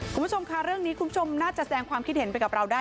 คุณผู้ชมค่ะเรื่องนี้คุณผู้ชมน่าจะแสดงความคิดเห็นไปกับเราได้